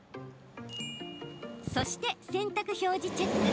そして、洗濯表示チェック。